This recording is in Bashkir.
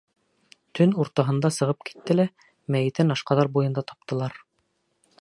— Төн уртаһында сығып китте лә, мәйетен Ашҡаҙар буйында таптылар.